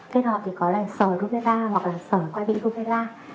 kết hợp thì có sở rubella hoặc là sở quay bị rubella